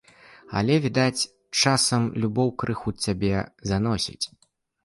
Але, відаць, часам любоў крыху цябе заносіць.